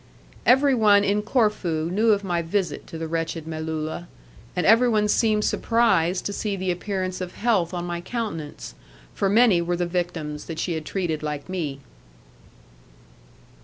Everyone in Corfu knew of my visit to the wretched Melulla, and everyone seemed surprised to see the appearance of health on my countenance; for many were the victims that she had treated like me.